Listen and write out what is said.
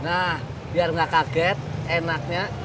nah biar nggak kaget enaknya